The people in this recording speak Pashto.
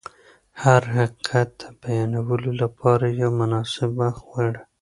هر حقیقت د بیانولو لپاره یو مناسب وخت غواړي.